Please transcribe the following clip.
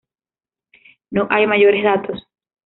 No hay mayores datos.